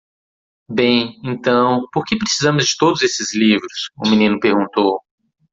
"Bem? então? por que precisamos de todos esses livros?" o menino perguntou.